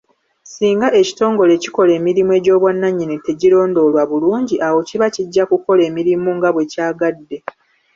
Singa ekitongole ekikola emirimu egy'obwannannyini tekirondoolwa bulungi, awo kiba kijja kukola emirimu nga bwe kyagadde.